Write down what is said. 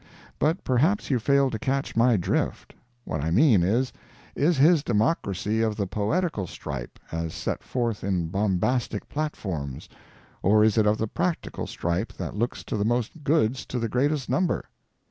But perhaps you fail to catch my drift. What I mean is, is his Democracy of the poetical stripe, as set forth in bombastic platforms, or is it of the practical stripe that looks to the most goods to the greatest number?